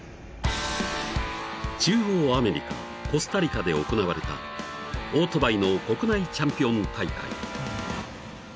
［中央アメリカコスタリカで行われたオートバイの国内チャンピオン大会］